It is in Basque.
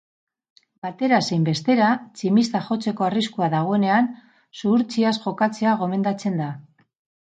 Batera zein bestera, tximista jotzeko arriskua dagoenean, zuhurtziaz jokatzea gomendatzen da.